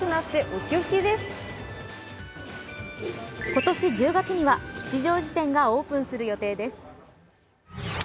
今年１０月には吉祥寺店がオープンする予定です。